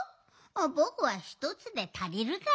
ぼくはひとつでたりるから。